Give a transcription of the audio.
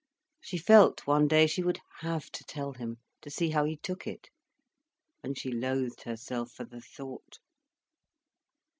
She felt, one day, she would have to tell him, to see how he took it. And she loathed herself for the thought.